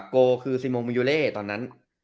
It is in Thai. โก้ซิโมมูยูเล่ตอนนั้น